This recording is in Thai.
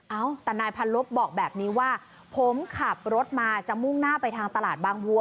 เอ้าแต่นายพันลบบอกแบบนี้ว่าผมขับรถมาจะมุ่งหน้าไปทางตลาดบางวัว